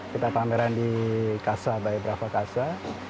kita pameran di casa by brava casa